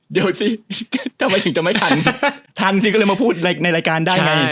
เดี๋ยวสิทำไมถึงจะไม่ทันทันสิก็เลยมาพูดในรายการได้ไง